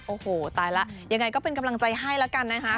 โอ้โหตายแล้วยังไงก็เป็นกำลังใจให้แล้วกันนะคะ